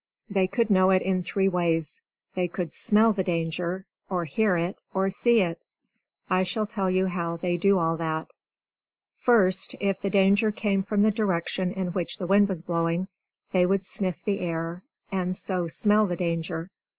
They could know it in three ways: they could smell the danger, or hear it, or see it. I shall tell you how they do all that. First, if the danger came from the direction in which the wind was blowing, they would sniff the air, and so smell the danger.